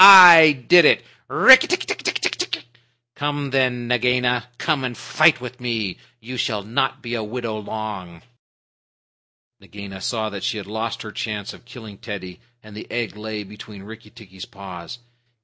I did it! Rikki tikki tck tck! Come then, Nagaina. Come and fight with me. You shall not be a widow long." Nagaina saw that she had lost her chance of killing Teddy, and the egg lay between Rikki tikki's paws.